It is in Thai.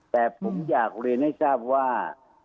แต่ผมอยากเรียนให้ทราบว่า